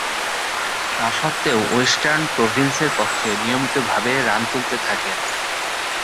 তাসত্ত্বেও western প্রভিন্সের পক্ষে নিয়মিতভাবে রান তুলতে থাকেন।